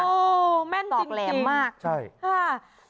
โหแม่นจริง